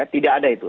tidak ada itu